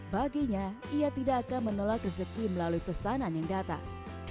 baginya ia tidak akan menolak rezeki melalui pesanan yang datang